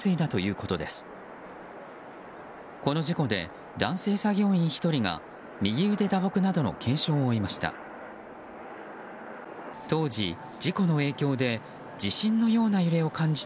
この事故で男性作業員１人が右腕打撲などの軽傷を負いました。